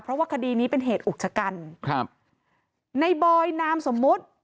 เพราะว่าคดีนี้เป็นเหตุอุกชะกันครับในบอยนามสมมุติ